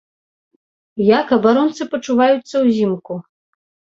Як абаронцы пачуваюцца ўзімку?